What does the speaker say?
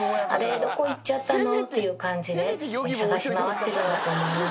どこ行っちゃったのっていう感じで、探し回ってるんだと思います。